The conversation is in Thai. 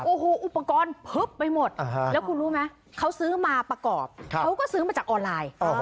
โอ้โหอุปกรณ์พึบไปหมดแล้วคุณรู้ไหมเขาซื้อมาประกอบเขาก็ซื้อมาจากออนไลน์